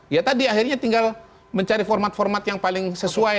ya tadi akhirnya tinggal mencari format format yang paling sesuai